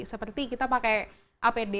seperti kita pakai apd